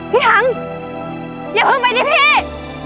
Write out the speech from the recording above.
พี่ทั้งอย่าเพิ่งไปที่พี่พี่ทั้ง